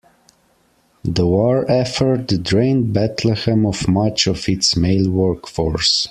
The war effort drained Bethlehem of much of its male workforce.